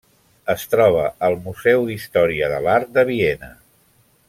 Es troba al Museu d'Història de l'Art de Viena.